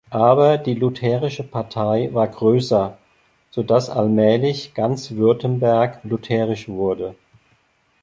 Aber die lutherische Partei war größer, sodass allmählich ganz Württemberg lutherisch wurde.